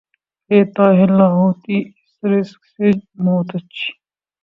اے طائر لاہوتی اس رزق سے موت اچھی